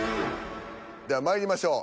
ではまいりましょう。